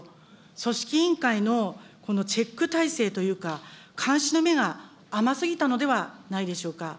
組織委員会のこのチェック体制というか、監視の目が甘すぎたのではないでしょうか。